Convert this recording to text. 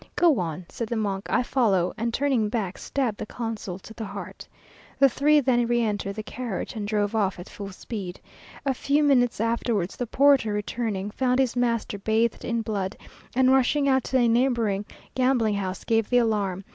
"Go on," said the monk, "I follow;" and, turning back, stabbed the consul to the heart. The three then re entered the carriage, and drove off at full speed. A few minutes afterwards the porter returning found his master bathed in blood, and rushing out to a neighbouring gambling house, gave the alarm.